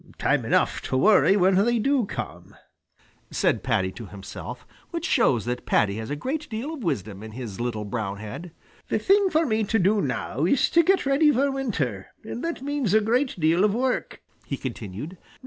Time enough to worry when they do come," said Paddy to himself, which shows that Paddy has a great deal of wisdom in his little brown head. "The thing for me to do now is to get ready for winter, and that means a great deal of work," he continued.